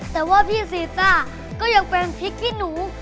แต่ว่าพี่ซีซ่าก็ยังเป็นพริกขี้หนู